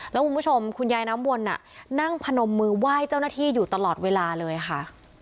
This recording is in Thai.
แล้วคุณผู้ชมคุณยายน้ำวนนั่งพนมมือไหว้เจ้าหน้าที่อยู่ตลอดเวลาเลยค่ะ